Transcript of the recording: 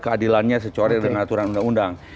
keadilannya secara secara dan aturan undang undang